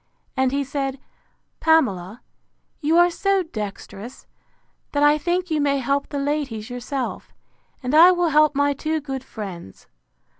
And he said, Pamela, you are so dexterous, that I think you may help the ladies yourself; and I will help my two good friends.